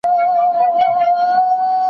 انارګل په خپل لمر وهلي مخ د خوښۍ نښې لرلې.